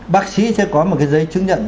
bác sĩ sẽ có một cái giấy chứng nhận